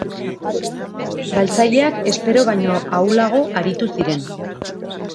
Galtzaileak espero baino ahulago aritu ziren.